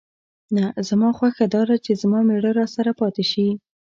نه، زما خوښه دا ده چې زما مېړه راسره پاتې شي.